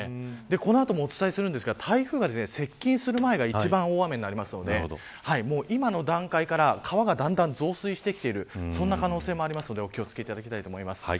この後もお伝えしますが台風が接近する前が一番大雨になるので今の段階から川がだんだん増水してきているそんな可能性もありますのでお気を付けいただきたいです。